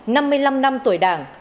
năm mươi năm năm tuổi đảng